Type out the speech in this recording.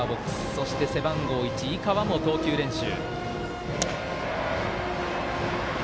そして、背番号１井川も投球練習。